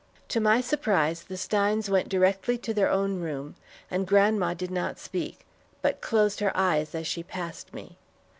To my surprise, the Steins went directly to their own room; and grandma did not speak, but closed her eyes as she passed me.